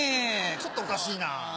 ちょっとおかしいな。